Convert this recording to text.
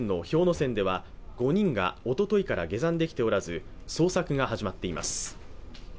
山では５人がおとといから下山できておらず、捜索が始まっています。